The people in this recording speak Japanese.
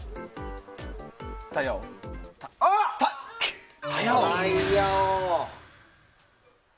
タイヤ王。